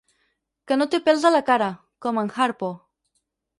Que no té pèls a la cara, com en Harpo.